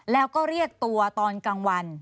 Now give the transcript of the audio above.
แล้วก็เรียกตัวตอนกลางวัน